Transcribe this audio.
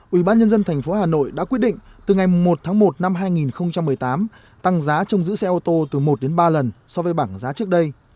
ubnd tp hà nội đã quyết định từ ngày một tháng một năm hai nghìn một mươi tám tăng giá trong giữ xe ô tô từ một đến ba lần so với bảng giá trước đây